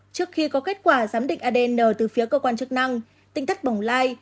trước khi có kết quả giám định adn từ phía cơ quan chức năng tịnh thất bổng lai